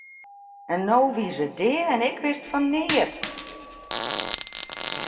En no wie se dea en ik wist fan neat!